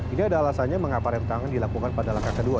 ini ada alasannya mengapa rem tangan dilakukan pada langkah kedua